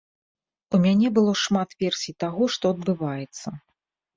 У мяне было шмат версій таго, што адбываецца.